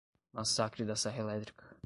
Massacre da serra elétrica